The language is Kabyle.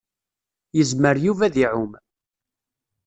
Yezmer Yuba ad iɛumm.